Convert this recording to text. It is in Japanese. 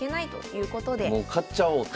買っちゃおうと。